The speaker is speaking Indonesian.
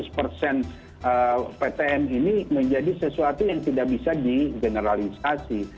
dan ptm ini menjadi sesuatu yang tidak bisa digeneralisasi